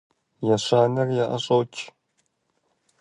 Ещанэр яӀэщӀокӀ.